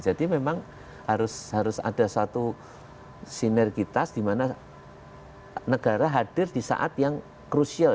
jadi memang harus ada satu sinergitas di mana negara hadir di saat yang crucial